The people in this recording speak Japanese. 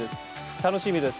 楽しみです。